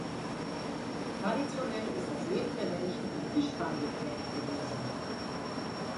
Traditionell ist das Leben der Menschen vom Fischfang geprägt gewesen.